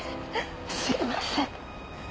すいません。